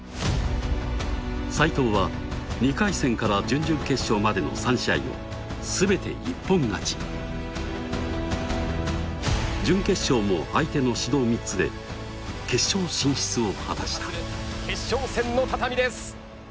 斉藤は２回戦から準々決勝までの３試合を全て一本勝ち準決勝も相手の指導３つで決勝進出を果たした決勝戦